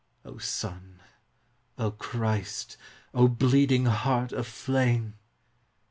O Sun, O Christ, O bleeding Heart of flame!